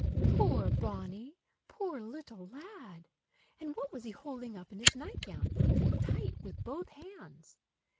Poor Bonny! poor little lad! And what was he holding up in his nightgown, holding tight with both hands?